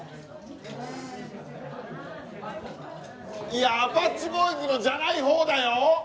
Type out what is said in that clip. いやアパッチボーイズのじゃない方だよ！